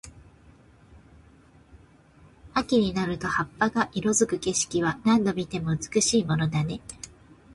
秋になると葉っぱが色付く景色は、何度見ても美しいものだね。